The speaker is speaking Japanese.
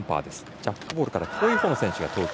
ジャックボールから遠いほうの選手が投球。